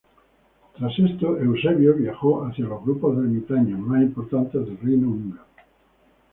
Tras esto Eusebio viajó hacia los grupos de ermitaños más importantes del reino húngaro.